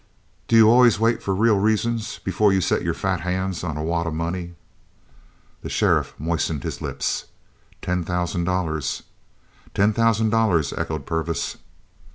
"D'you always wait for 'real reasons' before you set your fat hands on a wad of money?" The sheriff moistened his lips. "Ten thousand dollars!" "Ten thousand dollars!" echoed Purvis.